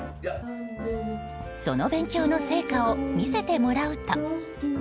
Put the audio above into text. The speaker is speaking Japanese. その勉強の成果を見せてもらうと。